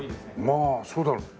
まあそうだろう。